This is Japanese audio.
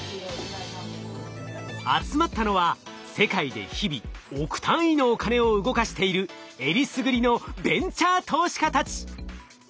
集まったのは世界で日々億単位のお金を動かしているえりすぐりのベンチャー投資家たち。